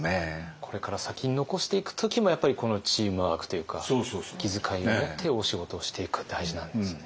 これから先に残していく時もやっぱりこのチームワークというか気づかいを持ってお仕事をしていくって大事なんですね。